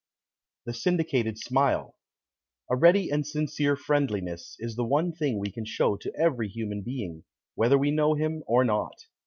_ THE SYNDICATED SMILE A ready and sincere friendliness is the one thing we can show to every human being, whether we know him or not.